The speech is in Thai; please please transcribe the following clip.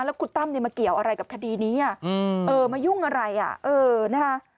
แล้วคุณตั้มเนี่ยมาเกี่ยวอะไรกับคดีนี้มายุ่งอะไรอ่ะเออนะคะ